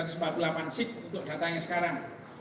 tiga tiga ratus empat puluh delapan seat untuk datanya sekarang